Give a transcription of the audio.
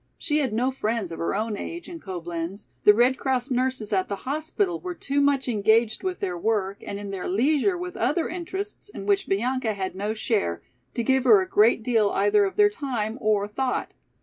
She had no friends of her own age in Coblenz, the Red Cross nurses at the hospital were too much engaged with their work and in their leisure with other interests in which Bianca had no share, to give her a great deal either of their time or thought.